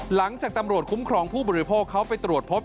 หลังจากตำรวจคุ้มครองผู้บริโภคเขาไปตรวจพบ